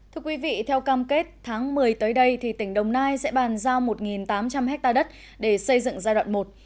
thưa quý vị theo cam kết tháng một mươi tới đây thì tỉnh đồng nai sẽ bàn giao một tám trăm linh hectare đất để xây dựng giai đoạn một